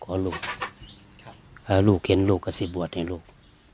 เพราะลูกพอลูกเห็นลูกก็สิบวชให้ลูก